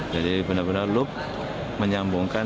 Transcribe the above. jadi benar benar loop menyambungkan